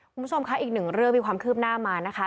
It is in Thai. คุณผู้ชมค่ะอีกหนึ่งเรื่องมีความคืบหน้ามานะคะ